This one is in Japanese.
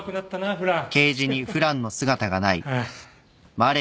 フラン？